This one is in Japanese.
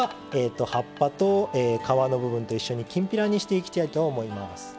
葉っぱと皮の部分と一緒にきんぴらにしていきたいと思います。